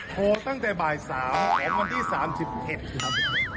โทรตั้งแต่บ่าย๓ของวันที่๓๑ครับ